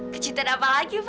kejutan apa lagi fah